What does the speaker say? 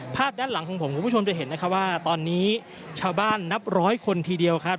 ด้านหลังของผมคุณผู้ชมจะเห็นนะคะว่าตอนนี้ชาวบ้านนับร้อยคนทีเดียวครับ